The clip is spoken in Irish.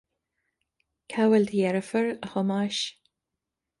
Cá bhfuil do dheirfiúr, a Thomáis